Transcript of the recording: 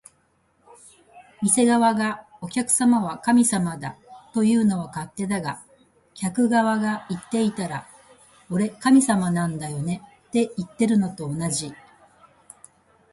店側が「お客様は神様だ」というのは勝手だが、客側が言っていたら「俺、神様なんだよね」っていってるのと同じ